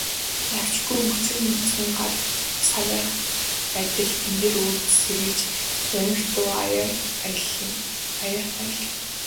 Навчгүй мөчир нүцгэн гар сарвайх адил тэнгэр өөд сэрийж, гунигт дуу аяархан аялна.